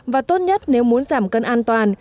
và tốt nhất nếu muốn giảm cân an toàn